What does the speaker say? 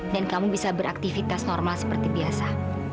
dan kamu bisa beraktivitas normal seperti biasa